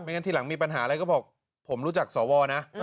งั้นทีหลังมีปัญหาอะไรก็บอกผมรู้จักสวนะ